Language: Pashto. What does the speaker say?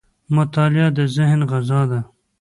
• مطالعه د ذهن غذا ده.